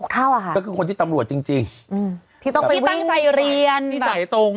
๖เท่าอะคะคือคนที่ตำรวจจริงที่ต้องไปวิ่งที่ตั้งใส่เรียนที่ใส่ตรง